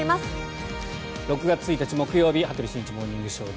６月１日、木曜日「羽鳥慎一モーニングショー」。